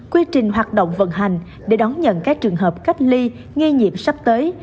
quy trình hoạt động vận hành để đón nhận các trường hợp cách ly nghi nhiễm sắp tới